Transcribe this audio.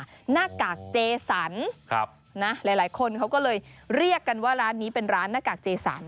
หน้ากากเจสันหลายคนเขาก็เลยเรียกกันว่าร้านนี้เป็นร้านหน้ากากเจสัน